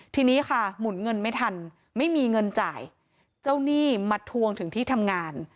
ทีนี้ค่ะหมุนเงินไม่ทันไม่มีเงินจ่ายเจ้าหนี้มาทวงถึงที่ทำงาน